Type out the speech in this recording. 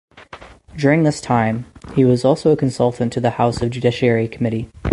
During this time he was also a consultant to the House Judiciary Committee.